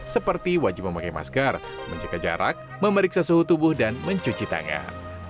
seperti wajib memakai masker menjaga jarak memeriksa suhu tubuh dan mencuci tangan